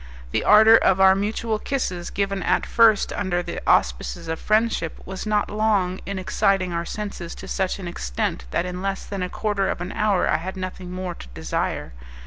The ardour of our mutual kisses, given at first under the auspices of friendship, was not long in exciting our senses to such an extent that in less than a quarter of an hour I had nothing more to desire.